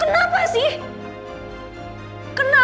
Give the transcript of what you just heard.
jangan grand papa ini berhukum selalu pulang